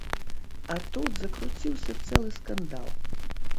А тут закруціўся цэлы скандал.